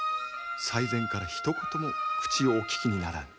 最前からひと言も口をおききにならぬ。